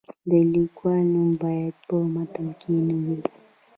د لیکوال نوم باید په متن کې نه وي.